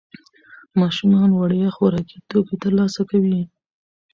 ماشومان وړیا خوراکي توکي ترلاسه کوي.